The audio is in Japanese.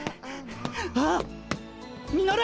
あっミノル！